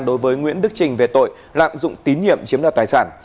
đối với nguyễn đức trình về tội lạm dụng tín nhiệm chiếm đoạt tài sản